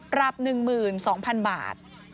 ปรับ๑๒๐๐๐บาท